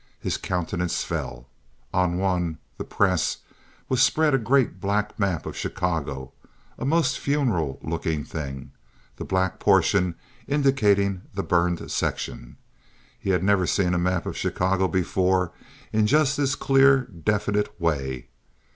His countenance fell. On one, the Press, was spread a great black map of Chicago, a most funereal looking thing, the black portion indicating the burned section. He had never seen a map of Chicago before in just this clear, definite way.